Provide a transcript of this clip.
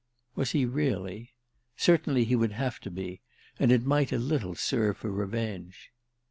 Was he really? Certainly he would have to be, and it might a little serve for revenge.